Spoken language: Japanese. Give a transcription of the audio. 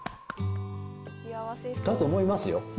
だと思いますよ。